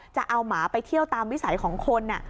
จะเอาหมาไปเที่ยวตามวิสัยของคน